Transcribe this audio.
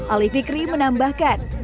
ali fikri menambahkan